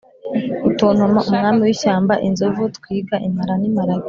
rutontoma umwami w'ishyamba, inzovu, twiga, impara n'imparage,